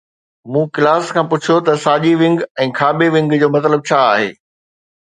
مون ڪلاس کان پڇيو ته ساڄي ونگ ۽ کاٻي ونگ جو مطلب ڇا آهي؟